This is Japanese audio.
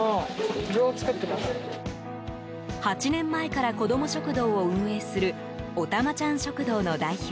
８年前から子ども食堂を運営するおたまちゃん食堂の代表